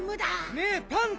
ねえパンタ！